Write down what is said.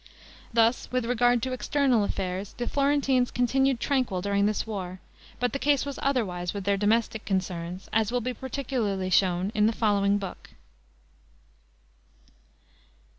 Thus with regard to external affairs, the Florentines continued tranquil during this war; but the case was otherwise with their domestic concerns, as will be particularly shown in the following book.